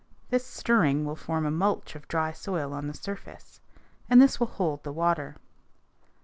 This stirring will form a mulch of dry soil on the surface, and this will hold the water.